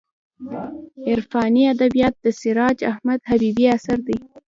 عرفاني ادبیات د سراج احمد حبیبي اثر دی.